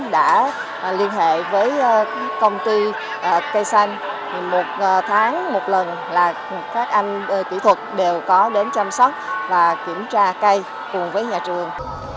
đã liên hệ với công ty cây xanh một tháng một lần là các anh kỹ thuật đều có đến chăm sóc và kiểm tra cây cùng với nhà trường